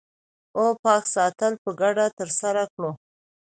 او پاک ساتل په ګډه ترسره کړو